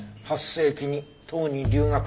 ８世紀に唐に留学。